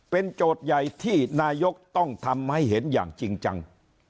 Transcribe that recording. เป็นโจทย์ใหญ่ที่นายกต้องทำให้เห็นอย่างจริงจัง